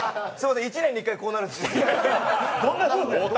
１年に１回こうなるんです。